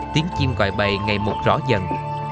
tiếng chim gọi bày ngày một rõ dần